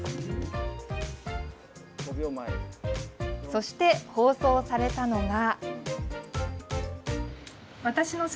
そして、放送されたのが。